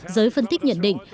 giới phân tích nhận định